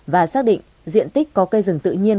và xác định diện tích có cây rừng tự nhiên